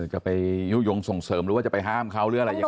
จะไปยุโยงส่งเสริมหรือว่าจะไปห้ามเขาหรืออะไรยังไง